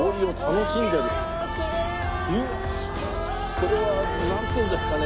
これはなんていうんですかね？